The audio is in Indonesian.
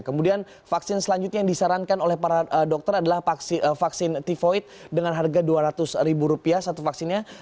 kemudian vaksin selanjutnya yang disarankan oleh para dokter adalah vaksin tivoid dengan harga dua ratus ribu rupiah satu vaksinnya